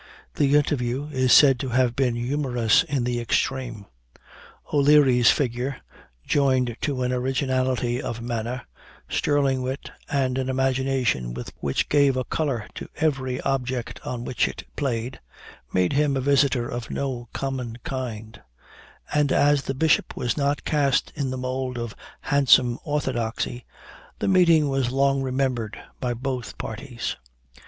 The interview is said to have been humorous in the extreme. O'Leary's figure, joined to an originality of manner, sterling wit, and an imagination which gave a color to every object on which it played, made him a visitor of no common kind; and as the bishop was not cast in the mould of "handsome orthodoxy," the meeting was long remembered by both parties.